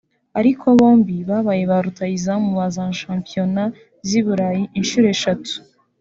ariko bombi babaye ba rutahizamu ba shampiyona z’i Burayi inshuro eshatu